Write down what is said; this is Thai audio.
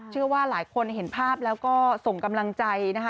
เชื่อว่าหลายคนเห็นภาพแล้วก็ส่งกำลังใจนะคะ